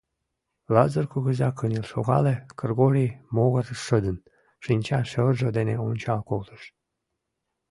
Лазыр кугыза кынел шогале, Кргори могырыш шыдын, шинча шӧржӧ дене ончал колтыш.